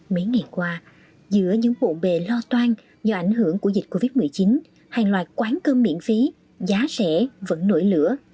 mấy ngày qua giữa những bộ bề lo toan do ảnh hưởng của dịch covid một mươi chín hàng loạt quán cơm miễn phí giá rẻ vẫn nổi lửa